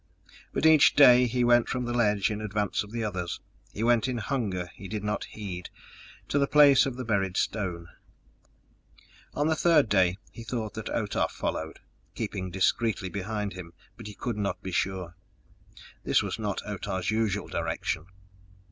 But each day he went from the ledge in advance of the others, he went in a hunger he did not heed to the place of the buried stone. On the third day he thought that Otah followed, keeping discreetly behind; but he could not be sure. This was not Otah's usual direction.